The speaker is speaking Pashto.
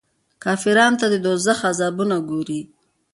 کافرانو ته د دوږخ عذابونه ګوري.